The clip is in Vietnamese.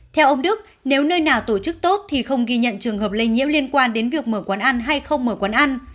theo ông đức nếu nơi nào tổ chức tốt thì không ghi nhận trường hợp lây nhiễm liên quan đến việc mở quán ăn hay không mở quán ăn